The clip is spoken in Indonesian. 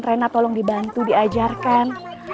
rena tolong dibantu diajarkan